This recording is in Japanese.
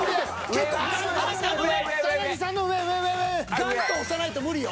ガンと押さないと無理よ。